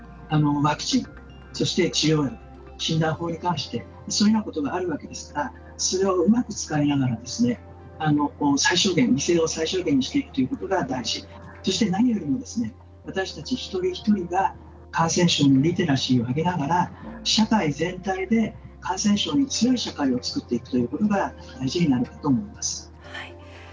ワクチン、そして治療薬診断法に関して、そういうことがあるわけですからそれをうまく使いながら最小限にしていくことが大事、そして何よりも私たち一人一人が感染症のリテラシーを上げながら社会全体で感染症に強い社会を作っていくことが大事になってくると思います。